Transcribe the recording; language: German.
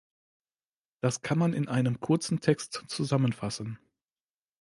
Das kann man in einem kurzen Text zusammenfassen.